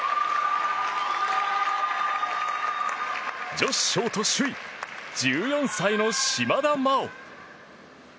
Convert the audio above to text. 女子ショート首位１４歳の島田麻央。